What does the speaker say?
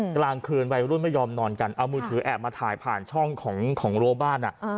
กลางคืนวัยรุ่นไม่ยอมนอนกันเอามือถือแอบมาถ่ายผ่านช่องของรั้วบ้าน